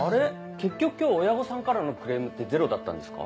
結局今日親御さんからのクレームってゼロだったんですか？